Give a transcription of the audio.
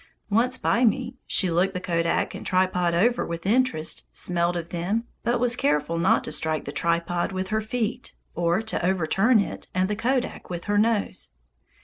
Once by me, she looked the kodak and tripod over with interest, smelled of them, but was careful not to strike the tripod with her feet or to overturn it and the kodak with her nose.